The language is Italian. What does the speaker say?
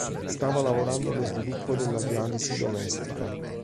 Stava lavorando allo sviluppo della dialisi domestica.